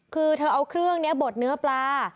คือเธอเอาเครื่องนี้บดเนื้อปลา